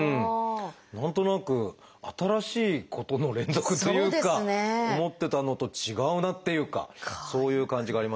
何となく新しいことの連続っていうか思ってたのと違うなっていうかそういう感じがありますね。